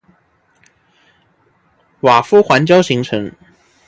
瓦夫环礁形成。